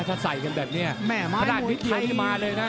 ถ้าใส่กันแบบนี้ขนาดนิดเดียวนี่มาเลยนะ